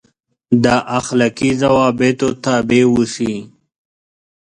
دا اخلاقي ضوابطو تابع اوسي.